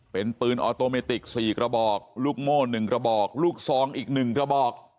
เป็นปืนออโตเมติก๔กระบอกลูกโม่๑กระบอกลูกซองอีก๑กระบอก